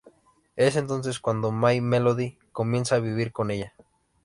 Es entonces cuando My Melody comienza a vivir con ella.